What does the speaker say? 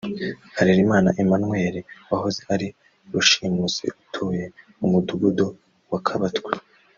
Harerimana Emmanuel wahoze ari rushimusi utuye mu Mudugudu wa Kabatwa